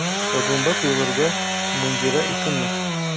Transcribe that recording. Bagomba kuyoborwa mu nzira ituma